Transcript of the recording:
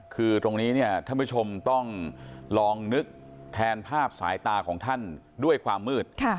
คือตรงนี้เนี่ยท่านผู้ชมต้องลองนึกแทนภาพสายตาของท่านด้วยความมืด